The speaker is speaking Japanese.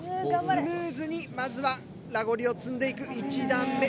スムーズにまずはラゴリを積んでいく１段目。